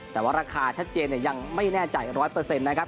แต่ว่าราคาชัดเจนยังไม่แน่ใจ๑๐๐นะครับ